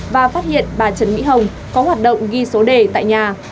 và phát hiện bà trần mỹ hồng có hoạt động ghi số đề tại nhà